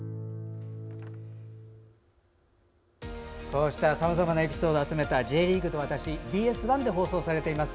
こうしたさまざまなエピソードを集めた「Ｊリーグと私」はＢＳ１で放送されています。